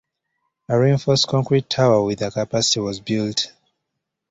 A reinforced concrete tower with a capacity was built.